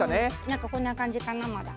なんかこんな感じかなまだ。